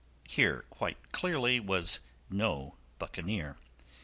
Here, quite clearly, was no buccaneer.